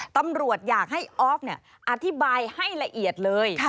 ตำรวจอยากให้ออฟอธิบายให้ละเอียดเลย